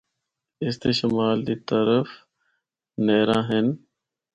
اس دے شمال دے طرف نہراں ہن۔